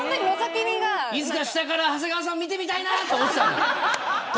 いつか下から長谷川さん見てみたいと思っていたの。